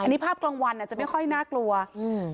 นี่ภาพกลางวันอาจจะไม่ค่อยน่ากลัวอืม